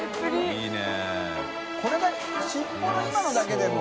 いいね。